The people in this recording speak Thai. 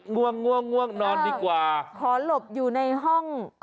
ง่วงง่วงง่วงนอนดีกว่าขอหลบอยู่ในห้อง